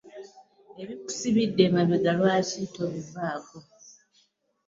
Ebikusibidde emabega lwaki tobivaako?